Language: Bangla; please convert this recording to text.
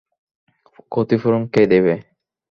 ক্ষতিপূরণ কে দেবে?